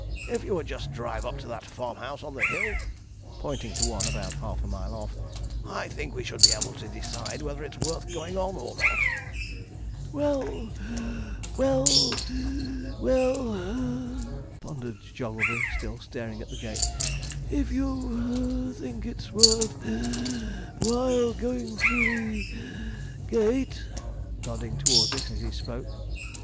'If you would just drive up to that farmhouse on the hill,' pointing to one about half a mile off, 'I think we should be able to decide whether it's worth going on or not.' 'Well (puff), well (wheeze), well,' pondered Jogglebury, still staring at the gate, 'if you (puff) think it's worth (wheeze) while going through the gate,' nodding towards it as he spoke.